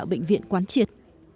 lãnh đạo bệnh viện quán triệt